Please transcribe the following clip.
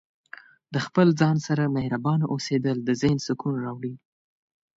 د خپل ځان سره مهربانه اوسیدل د ذهن سکون راوړي.